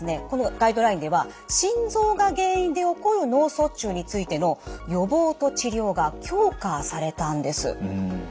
このガイドラインでは心臓が原因で起こる脳卒中についての予防と治療が強化されたんです。